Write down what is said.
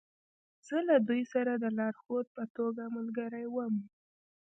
زه له دوی سره د لارښود په توګه ملګری وم